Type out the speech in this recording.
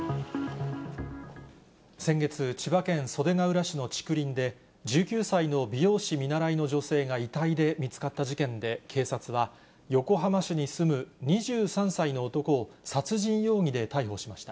先月、千葉県袖ケ浦市の竹林で、１９歳の美容師見習いの女性が遺体で見つかった事件で警察は、横浜市に住む２３歳の男を殺人容疑で逮捕しました。